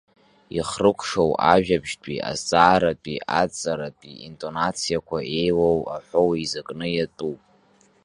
Ихрыкәшоу ажәабжьтәи, азҵааратәи, адҵаратәи интонациақәа еилоу аҳәоу еизакны иатәуп.